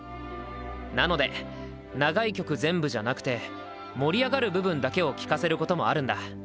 なので長い曲全部じゃなくて盛り上がる部分だけを聴かせることもあるんだ。